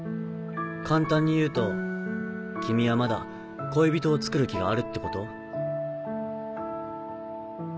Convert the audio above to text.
簡単に言うと君はまだ恋人をつくる気があるってこと？